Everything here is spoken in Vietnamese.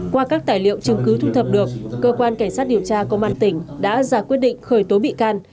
qua các tài liệu chứng cứ thu thập được cơ quan cảnh sát điều tra công an tỉnh đã ra quyết định khởi tố bị can